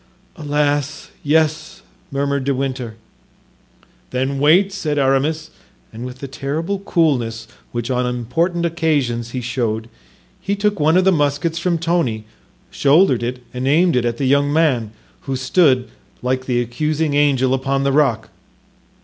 "Alas, yes," murmured De Winter. "Then wait," said Aramis; and with the terrible coolness which on important occasions he showed, he took one of the muskets from Tony, shouldered and aimed it at the young man, who stood, like the accusing angel, upon the rock.